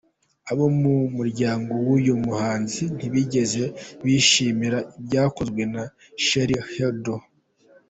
Abo mu muryango w'uyu muhanzi ntibigeze bishimira ibyakozwe na Charlie Hebdo.